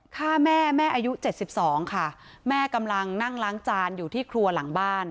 ฆ่าแม่แม่อายุเจ็ดสิบสองค่ะแม่กำลังนั่งล้างจานอยู่ที่ครัวหลังบ้าน